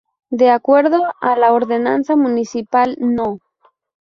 De acuerdo a la Ordenanza Municipal No.